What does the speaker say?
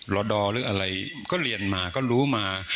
อดอหรืออะไรก็เรียนมาก็รู้มา